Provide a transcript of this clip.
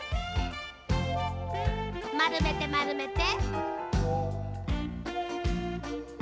まるめてまるめて。